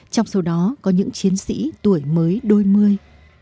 trong số đó có những chiến sĩ tuổi mới đôi mươi